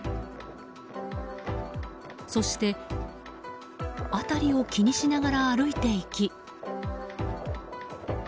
そして、辺りを気にしながら歩いていき。